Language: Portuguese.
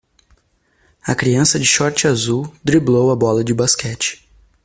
A criança de short azul driblou a bola de basquete.